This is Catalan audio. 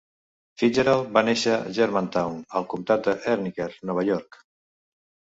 Fitzgerald va néixer a Germantown, al comtat de Herkimer, Nova York.